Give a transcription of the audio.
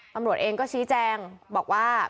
ตำรวจเองก็ชี้แจงบอกว่า